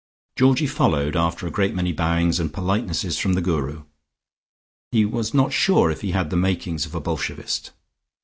Georgie followed, after a great many bowings and politenesses from the Guru. He was not sure if he had the makings of a Bolshevist.